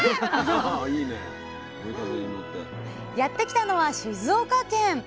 やって来たのは静岡県。